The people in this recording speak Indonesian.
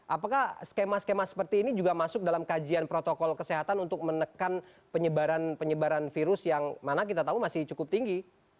apakah skema skema seperti ini juga masuk dalam kajian protokol kesehatan untuk menekan penyebaran penyebaran virus yang mana kita tahu masih cukup tinggi